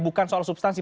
bukan soal substansi